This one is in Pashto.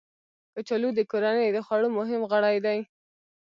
کچالو د کورنۍ د خوړو مهم غړی دی